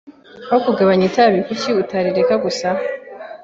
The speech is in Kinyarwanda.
Aho kugabanya itabi, kuki utayireka gusa?